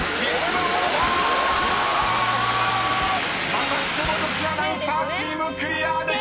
［またしても女子アナウンサーチームクリアできず！］